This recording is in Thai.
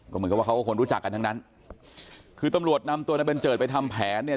เหมือนกับว่าเขาก็คนรู้จักกันทั้งนั้นคือตำรวจนำตัวนายบัญเจิดไปทำแผนเนี่ย